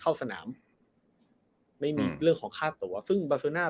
เข้าสนามไม่มีเรื่องของค่าตัวซึ่งบาซูน่า